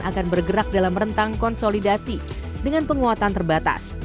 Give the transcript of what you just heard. akan bergerak dalam rentang konsolidasi dengan penguatan terbatas